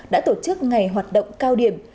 đã tổ chức ngày hoạt động cao điểm